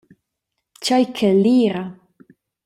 Tgei calira.